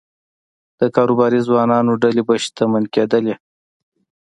د کاروباري ځوانانو ډلې به شتمن کېدلې